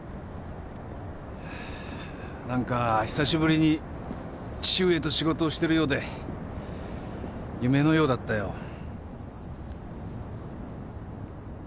何か久しぶりに父上と仕事をしてるようで夢のようだったよ。